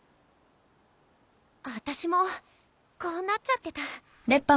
あたしもこうなっちゃってた。